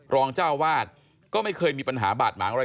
รองเจ้าวาดก็ไม่เคยมีปัญหาบาดหมางอะไร